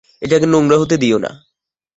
এটাকে নোংরা হতে দিও না।